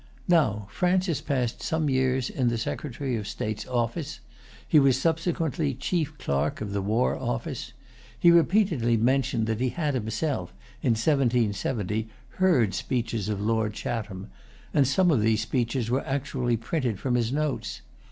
Now, Francis passed some years in the secretary of state's office. He was subsequently chief clerk of the war office. He repeatedly mentioned that he had himself, in 1770, heard speeches of Lord Chatham; and some of these speeches were actually printed from his notes.